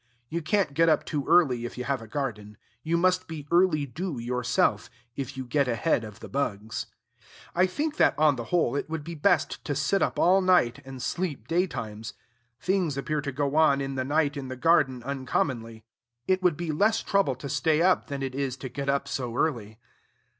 You can't get up too early, if you have a garden. You must be early due yourself, if you get ahead of the bugs. I think, that, on the whole, it would be best to sit up all night, and sleep daytimes. Things appear to go on in the night in the garden uncommonly. It would be less trouble to stay up than it is to get up so early.